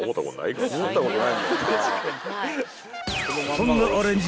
［そんなアレンジ